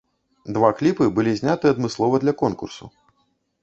Два кліпы былі зняты адмыслова для конкурсу.